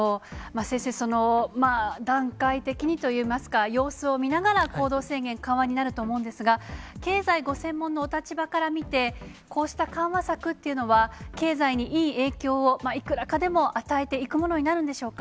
先生、段階的にといいますか、様子を見ながら行動制限緩和になると思うんですが、経済ご専門のお立場から見て、こうした緩和策っていうのは、経済にいい影響を、いくらかでも与えていくものになるんでしょうか。